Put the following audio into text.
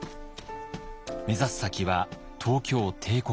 目指す先は東京帝国大学。